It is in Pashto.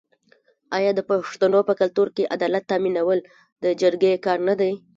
آیا د پښتنو په کلتور کې عدالت تامینول د جرګې کار نه دی؟